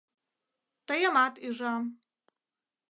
— Тыйымат ӱжам.